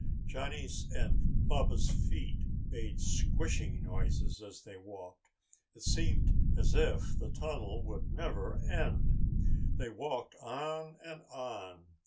Johnny's and Baba's feet made squishing noises as they walked. It seemed as if the tunnel would never end. They walked on and on.